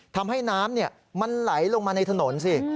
ทำให้น้ำมันไหลลงมาในถนนสิ